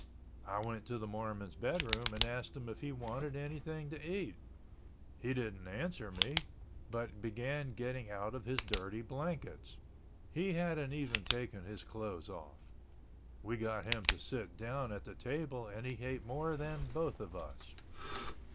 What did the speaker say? I went to the Mormon's bedroom and asked him if he wanted anything to eat. He didn't answer me, but began getting out of his dirty blankets. He hadn't even taken his clothes off. We got him to sit down at the table and he ate more than both of us.